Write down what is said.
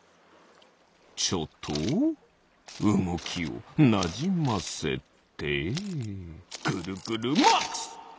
ちょっとうごきをなじませてぐるぐるマックス！